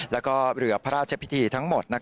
แล้วก็เรือพระราชพิธีทั้งหมด